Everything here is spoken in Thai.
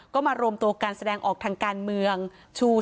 ก็มาโรมตัวการแสดงออกทางการเมืองชู้๓นิ้ว